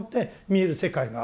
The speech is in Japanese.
見える世界が？